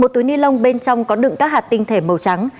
một túi ni lông bên trong có đựng các hạt tinh thể màu trắng